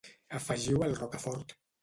Afegiu el roquefort.